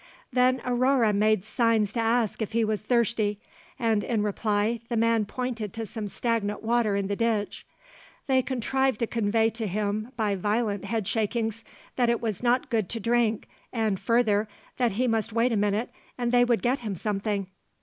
Then Aurore made signs to ask if he was thirsty, and in reply the man pointed to some stagnant water in the ditch. They contrived to convey to him by violent head shakings that it was not good to drink, and, further, that he must wait a minute and they would get him something.